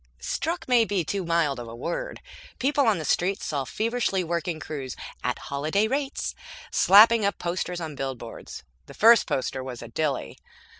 Struck may be too mild a word. People on the streets saw feverishly working crews (at holiday rates!) slapping up posters on billboards. The first poster was a dilly.